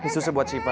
susu buat sipa